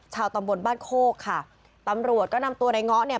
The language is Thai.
ตำบลบ้านโคกค่ะตำรวจก็นำตัวในเงาะเนี่ย